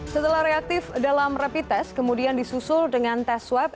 setelah reaktif dalam rapid test kemudian disusul dengan tes swab